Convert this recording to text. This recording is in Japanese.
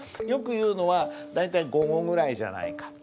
よく言うのは大体午後ぐらいじゃないか。